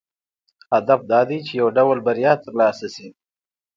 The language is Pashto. هدف دا دی چې یو ډول بریا ترلاسه شي.